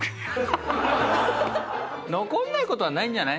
残んないことはないんじゃない？